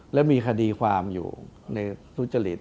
และมีคดีความอยู่ในทุจริต